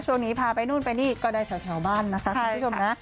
ช่วงนี้พาไปนู่นไปนี่ก็ได้แถวบ้านนะคะคุณผู้ชมนะ